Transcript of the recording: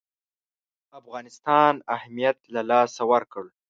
افغانستان اهمیت له لاسه ورکړ.